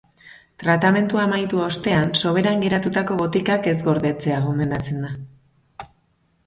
Tratamendua amaitu ostean soberan geratutako botikak ez gordetzea gomendatzen da.